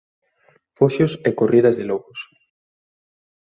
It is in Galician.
Foxos e corridas de lobos